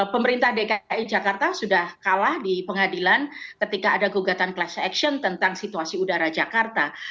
pemerintah dki jakarta sudah kalah di pengadilan ketika ada gugatan class action tentang situasi udara jakarta